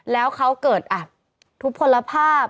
แล้วเขาเกิดทุกผลภาพ